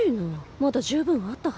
まだ十分あったはず。